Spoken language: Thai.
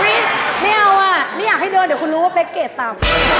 ไม่เอาอ่ะไม่อยากให้เดินเดี๋ยวคุณรู้ว่าเป๊กเกรดต่ำ